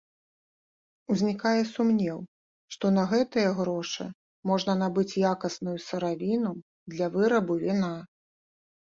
Узнікае сумнеў, што на гэтыя грошы можна набыць якасную сыравіну для вырабу віна.